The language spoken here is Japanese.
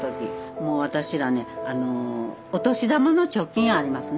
もう私らねお年玉の貯金ありますね。